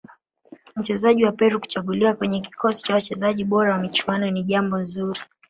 mchezaji wa peru kuchaguliwa kwenye kikosi cha wachezaji bora wa michuano ni jambo zuri